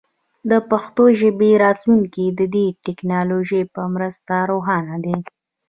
د پښتو ژبې راتلونکی د دې ټکنالوژۍ په مرسته روښانه دی.